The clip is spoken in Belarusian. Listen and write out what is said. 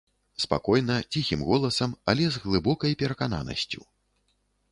Спакойна, ціхім голасам, але з глыбокай перакананасцю.